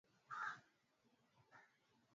Marekani aliye madarakani ni tukio kubwa Ndipo